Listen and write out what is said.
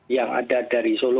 yang ada dari solo